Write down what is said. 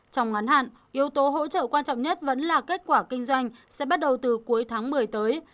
trong ngắn hạn yếu tố hỗ trợ quan trọng nhất vẫn là kết quả kinh doanh sẽ bắt đầu từ cuối tháng một mươi tới